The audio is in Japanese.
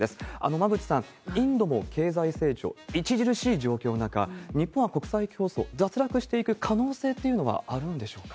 馬渕さん、インドも経済成長著しい状況の中、日本は国際競争、脱落していく可能性というのはあるんでしょうか？